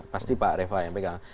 pasti pak reva yang pegang